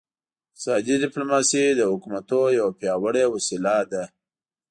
اقتصادي ډیپلوماسي د حکومتونو یوه پیاوړې وسیله ده